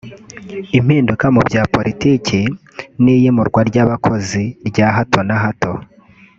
impinduka mu bya politiki n’iyimurwa ry’abakozi rya hato na hato